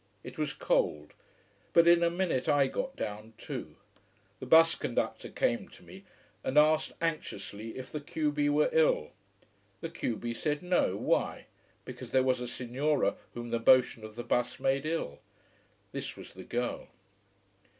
It was cold but in a minute I got down too. The bus conductor came to me and asked anxiously if the q b were ill. The q b said no, why? Because there was a signora whom the motion of the bus made ill. This was the girl.